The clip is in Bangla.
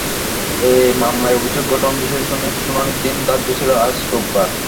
এ মামলায় অভিযোগ গঠন বিষয়ে শুনানির দিন ধার্য ছিল আজ রোববার।